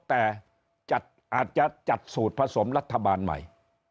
แต่อาจจะจัดสูตรผสมรัฐบาลใหม่